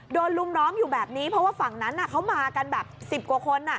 ลุมล้อมอยู่แบบนี้เพราะว่าฝั่งนั้นเขามากันแบบ๑๐กว่าคน